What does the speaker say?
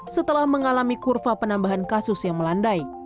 setelah mengalami kurva penambahan kasus yang melandai